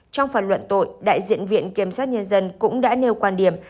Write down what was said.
trong phần luận tội đại diện viện kiểm sát nhân dân cũng đã nêu quan điểm